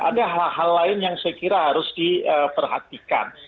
ada hal hal lain yang saya kira harus diperhatikan